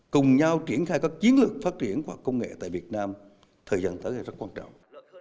cùng nhau triển khai các chiến lược phát triển khoa học công nghệ tại việt nam thời gian tới rất quan trọng